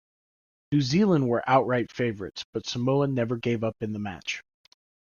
New Zealand were outright favourites, but Samoa never gave up in the match.